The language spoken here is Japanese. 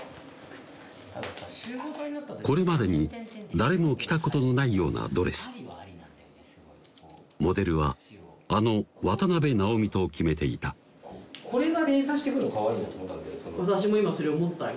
これまでに誰も着たことのないようなドレスモデルはあの渡辺直美と決めていたこれが連鎖してくるのかわいいなと思ったんだけど私も今それ思ったよ